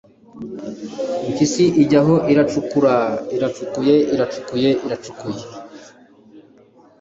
impyisi ijyaho iracukuraaaa, iracukuye iracukuye iracukuye